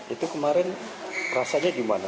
itu kemarin rasanya gimana